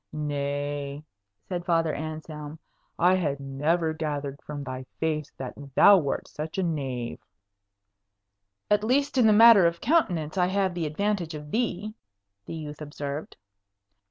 "Nay," said Father Anselm, "I had never gathered from thy face that thou wert such a knave." "At least in the matter of countenances I have the advantage of thee," the youth observed.